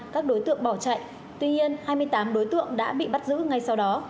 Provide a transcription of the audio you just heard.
các đối tượng bỏ chạy tuy nhiên hai mươi tám đối tượng đã bị bắt giữ ngay sau đó